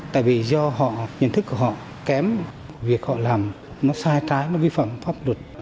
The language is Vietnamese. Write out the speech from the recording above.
tại vì do họ nhận thức của họ kém việc họ làm nó sai trái nó vi phạm pháp luật